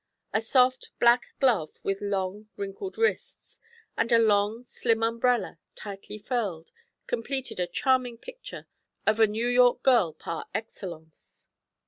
A soft, black glove with long, wrinkled wrists, and a long, slim umbrella, tightly furled, completed a charming picture of a New York girl par excellence.